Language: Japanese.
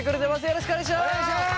よろしくお願いします。